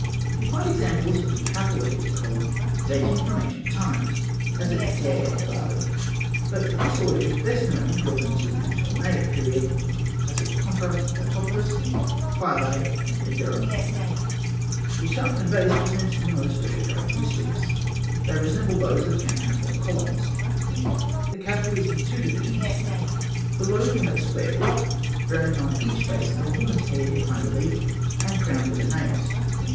We find examples of the Hathor headed column dating from ancient times, as at Deir el Baharî; but this order is best known in buildings of the Ptolemaic period, as at Contra Latopolis, Philae, and Denderah. The shaft and the base present no special characteristics. They resemble those of the campaniform columns. The capital is in two divisions. Below we have a square block, bearing on each face a woman's head in high relief and crowned with a naos.